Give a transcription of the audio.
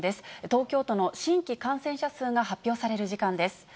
東京都の新規感染者数が発表される時間です。